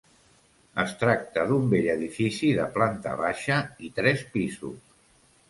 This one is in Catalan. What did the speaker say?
Es tracta d'un vell edifici de planta baixa i tres pisos.